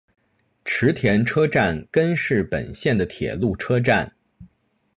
池田车站根室本线的铁路车站。